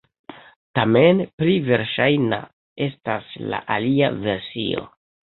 Tamen pli verŝajna estas la alia versio.